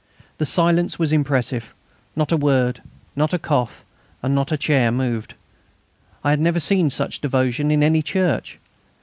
The silence was impressive; not a word, not a cough, and not a chair moved. I had never seen such devotion in any church.